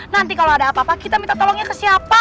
nanti kalau ada apa apa kita minta tolongnya ke siapa